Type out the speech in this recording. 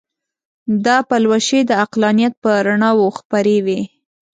دا پلوشې د عقلانیت پر رڼاوو خپرې وې.